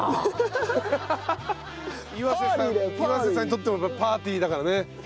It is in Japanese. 岩瀬さんにとってもパーティーだからね。